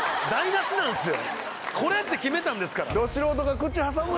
これって決めたんですから。